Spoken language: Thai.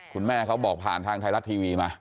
คุณแม่เขาบอกผ่านทางไทยรัตน์ทีวีมา